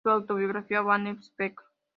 Su autobiografía, "Vanna Speaks!